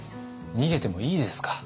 逃げてもいいです。